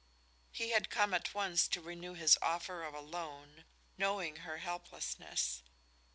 He had come at once to renew his offer of a loan, knowing her helplessness.